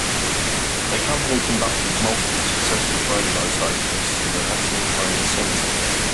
A Company conducted multiple successful training rotations to the National Training Center.